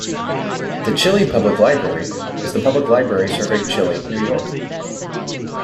The Chili Public Library is the public library serving Chili, New York.